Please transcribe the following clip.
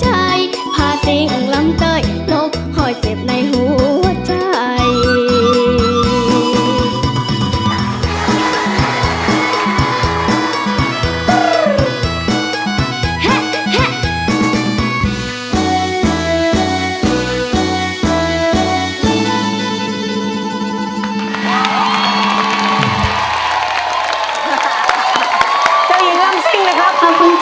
เจ้าหญิงรำสิ้งนะครับขอบคุณจ้าจากน้องเกลือนะครับ